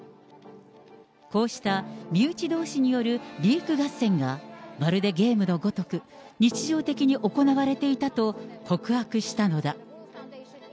こうした身内どうしによるリーク合戦が、まるでゲームのごとく、日常的に行われていたと告白したのだ。